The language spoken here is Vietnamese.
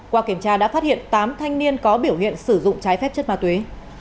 qua kiểm tra đã phát hiện tám thanh niên có biểu hiện sử dụng trái phép chất ma túy